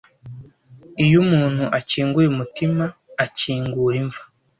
iyo umuntu akinguye umutima akingura imva